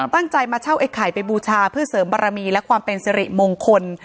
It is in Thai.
ตั้งใจมาเช่าไอ้ไข่ไปบูชาเพื่อเสริมบารมีและความเป็นสิริมงคล